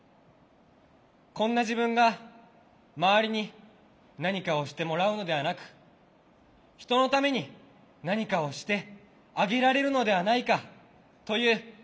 こんな自分が周りに何かをしてもらうのではなく人のために何かをしてあげられるのではないかという希望も持てた。